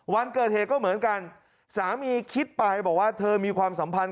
วันเกิดเหตุก็เหมือนกันสามีคิดไปบอกว่าเธอมีความสัมพันธ